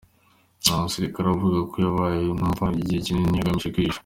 Uyu musirikare avuga ko yabaye mu imva igihe kinini agamije kwihisha.